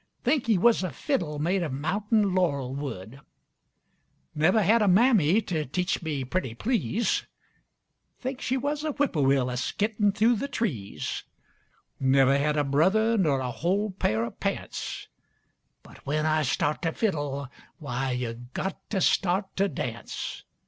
Think he was a fiddle made of mountain laurel wood. Never had a mammy to teach me pretty please. Think she was a whippoorwill, a skittin' thu' the trees. Never had a brother ner a whole pair of pants, But when I start to fiddle, why, yuh got to start to dance!